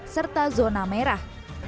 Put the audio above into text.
serta zona merah